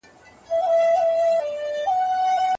د استاد تجربه له کتابي معلوماتو ګټوره وي.